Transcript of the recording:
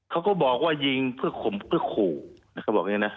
เขาก็บอกว่ายิงเพื่อขมเพื่อขู่นะครับบอกเองนะ